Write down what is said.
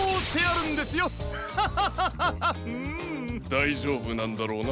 だいじょうぶなんだろうな？